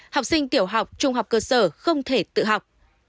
học sinh tiểu học trung học cơ sở không thể tự học